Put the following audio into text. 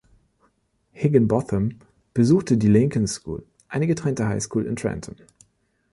Higginbotham besuchte die Lincoln School, eine getrennte High School in Trenton.